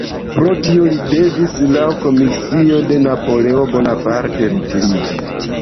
Pro tio li devis laŭ komisio de Napoleono Bonaparte retiriĝi.